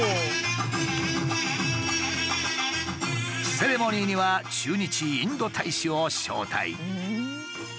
セレモニーには駐日インド大使を招待。